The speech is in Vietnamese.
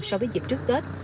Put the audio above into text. so với dịp trước tết